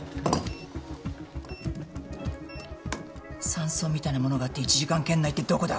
山荘みたいなものがあって１時間圏内ってどこだ？